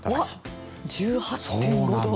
１８．５度。